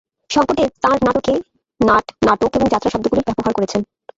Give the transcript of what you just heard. শংকরদেব তাঁর নাটকে নাট, নাটক এবং যাত্রা শব্দগুলির ব্যবহার করেছেন।